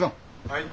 はい？